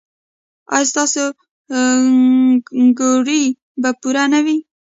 ایا ستاسو ګروي به پوره نه وي؟